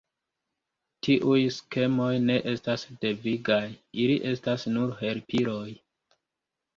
Tiuj skemoj ne estas devigaj, ili estas nur helpiloj.